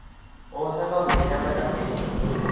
大阪府枚方市